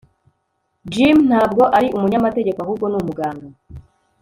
jim ntabwo ari umunyamategeko, ahubwo ni umuganga